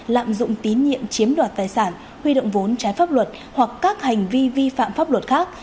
lạm dụng tín nhiệm chiếm đoạt tài sản huy động vốn trái pháp luật hoặc các hành vi vi phạm pháp luật khác